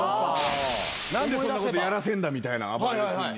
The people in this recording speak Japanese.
何でそんなことやらせんだみたいなあばれる君に。